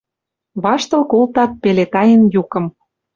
Ваштыл колтат, пеле таен юкым